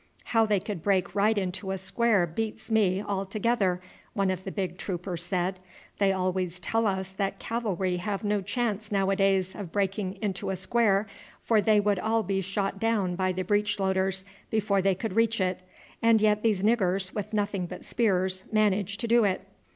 "How they could break right into a square beats me altogether," one of the big troopers said. "They always tell us that cavalry have no chance nowadays of breaking into a square, for they would all be shot down by the breech loaders before they could reach it, and yet these niggers, with nothing but spears, manage to do it.